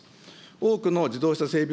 多くの自動車整備